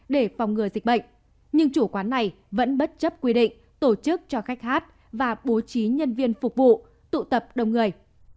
để phòng ngừa dịch bệnh nhưng chủ quán này vẫn bất chấp quy định tổ chức cho khách hát và bố trí nhân viên phục vụ tụ tập đông người